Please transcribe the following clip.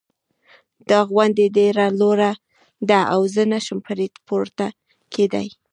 دا غونډی ډېره لوړه ده او زه نه شم پری پورته کېدای